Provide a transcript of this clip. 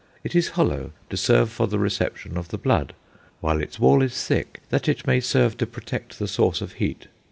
It is hollow, to serve for the reception of the blood; while its wall is thick, that it may serve to protect the source of heat.